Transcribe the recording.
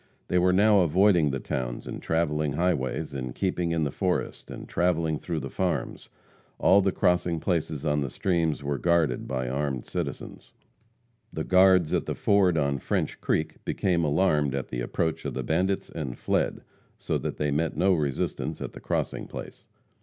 They were now avoiding the towns and travelled highways, and keeping in the forest, and travelling through the farms. All the crossing places on the streams were guarded by armed citizens. The guards at the ford on French creek became alarmed at the approach of the bandits and fled, so that they met no resistance at the crossing place.